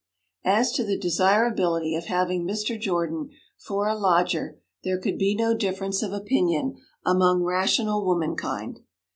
As to the desirability of having Mr. Jordan for a lodger there could be no difference of opinion among rational womankind.